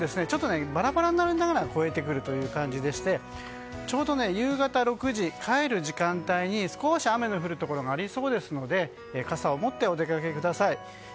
ちょっとバラバラになりながら越えてくるということでちょうど夕方６時の帰る時間帯に少し雨の降るところがありそうですので傘を持ってお出かけください。